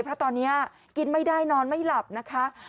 เพราะตอนนี้กินไม่ได้นอนไม่หลับนะคะ